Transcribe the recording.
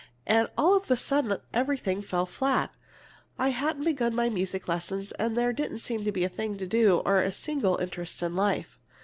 and all of a sudden everything fell flat. I hadn't begun my music lessons, and there didn't seem to be a thing to do, or a single interest in life.